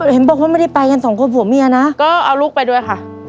เห็นบอกว่าไม่ได้ไปกันสองคนผัวเมียนะก็เอาลูกไปด้วยค่ะ